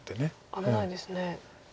危ないですね。